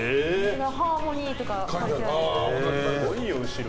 ハーモニーとか書いてある。